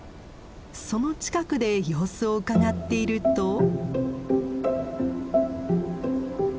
その近くで様子をうかがっていると。